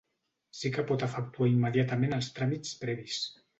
Sí que pot efectuar immediatament els tràmits previs.